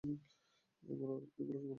এগুলো কী বলছেন আপনি?